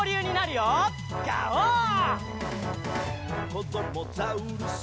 「こどもザウルス